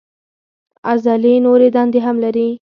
عضلې نورې دندې هم لري.